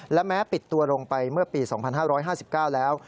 และแม้ปิดตัวลงไปเมื่อปี๒๕๕๙แล้ว